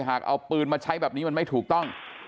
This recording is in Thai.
หากเอาปืนมาใช้แบบนี้มันไม่ถูกต้อง